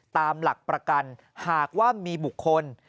ตามหลักประกันหากว่ามีบุคคล